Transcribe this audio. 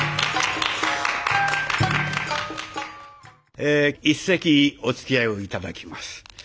え一席おつきあいを頂きます。